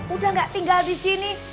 udah gak tinggal disini